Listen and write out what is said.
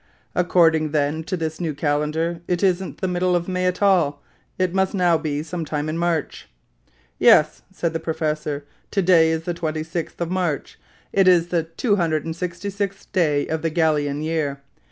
"According, then, to this new calendar, it isn't the middle of May at all; it must now be some time in March." "Yes," said the professor, "to day is the 26th of March. It is the 266th day of the Gallian year.